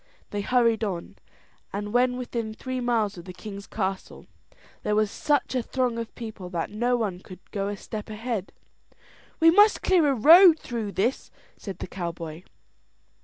They hurried on; and when within three miles of the king's castle there was such a throng of people that no one could go a step ahead. "We must clear a road through this," said the cowboy.